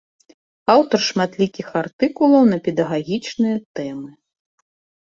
Аўтар шматлікіх артыкулаў на педагагічныя тэмы.